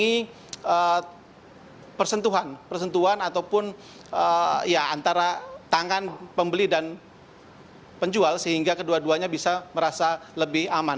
ini persentuhan persentuhan ataupun ya antara tangan pembeli dan penjual sehingga kedua duanya bisa merasa lebih aman